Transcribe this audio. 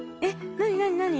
なになになに？